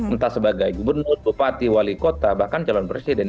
entah sebagai gubernur bupati wali kota bahkan calon presiden